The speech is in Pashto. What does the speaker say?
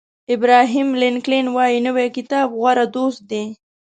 ابراهیم لینکلن وایي نوی کتاب غوره دوست دی.